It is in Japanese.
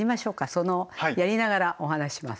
そのやりながらお話しします。